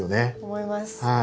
思います。